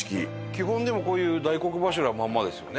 基本でもこういう大黒柱はまんまですよね？